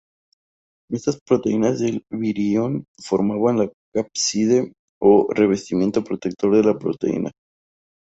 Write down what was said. Estas proteínas del virión formarán la cápside, o revestimiento protector de la proteína.